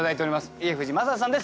家藤正人さんです